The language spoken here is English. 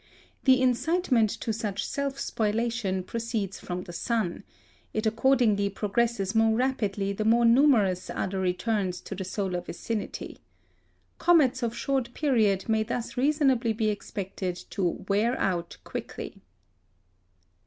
The incitement to such self spoliation proceeds from the sun; it accordingly progresses more rapidly the more numerous are the returns to the solar vicinity. Comets of short period may thus reasonably be expected to wear out quickly.